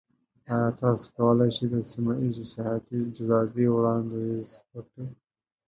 ایا تاسو کولی شئ د سیمه ایزو سیاحتي جاذبې وړاندیز وکړئ؟